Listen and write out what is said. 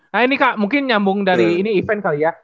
nah ini kak mungkin nyambung dari ini event kali ya